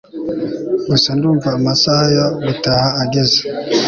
gusa ndumva amasaha yo gutaha ageze